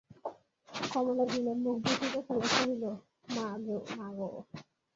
কমলা ঘৃণায় মুখ বিকৃত করিয়া কহিল, মা গো!